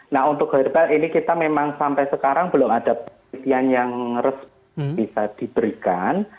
nah untuk herbal ini kita memang sampai sekarang belum ada penelitian yang resmi bisa diberikan